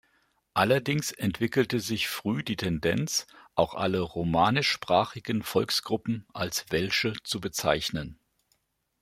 Allerdings entwickelte sich früh die Tendenz, auch alle romanischsprachigen Volksgruppen als Welsche zu bezeichnen.